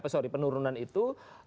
sorry penurunan itu